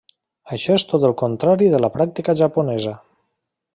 Això és tot el contrari de la pràctica japonesa.